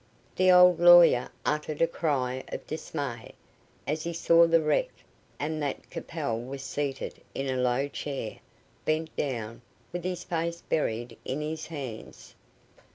The old lawyer uttered a cry of dismay, as he saw the wreck, and that Capel was seated in a low chair, bent down, with his face buried in his hands.